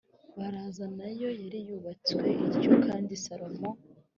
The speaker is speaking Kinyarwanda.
baraza na yo yari yubatswe ityo kandi salomo